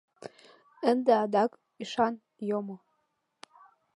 Ынде адак ӱшан йомо.